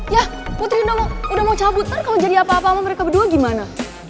yah putri udah mau cabut nanti kalau jadi apa apa sama mereka berdua gimana